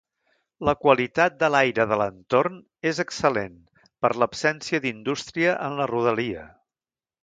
La qualitat de l'aire de l'entorn és excel·lent per l'absència d'indústria en la rodalia.